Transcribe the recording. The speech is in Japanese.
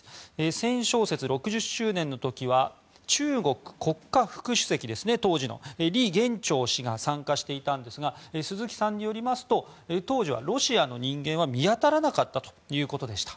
戦勝節６０周年の時は中国国家副主席、当時のリ・ゲンチョウ氏が参加していたんですが鈴木さんによりますと当時はロシアの人間は見当たらなかったということでした。